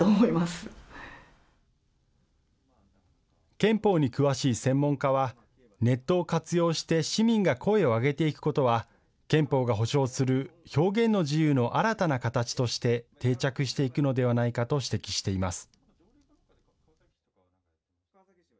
憲法に詳しい専門家はネットを活用して市民が声を上げていくことは憲法が保障する表現の自由の新たなかたちとして定着していくのではないかと指摘しています。